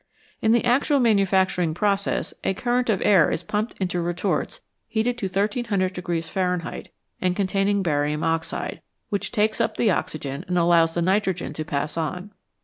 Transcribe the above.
In the actual manufacturing process a current of air is pumped into retorts heated to 1300 Fahrenheit and contain ing barium oxide, which takes up the oxygen and allows the nitrogen to pass on.